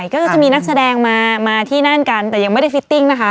ก็จะมีนักแสดงมาที่นั่นกันแต่ยังไม่ได้ฟิตติ้งนะคะ